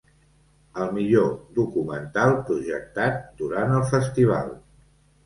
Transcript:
Al millor documental projectat durant el festival.